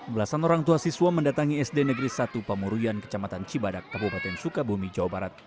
belasan orang tua siswa mendatangi sd negeri satu pemuruyan kecamatan cibadak kabupaten sukabumi jawa barat